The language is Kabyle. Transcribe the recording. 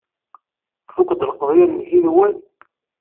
Tfuked lqeḍyan-nnek i Newwal?